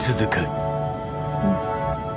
うん。